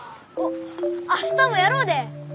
明日もやろうで。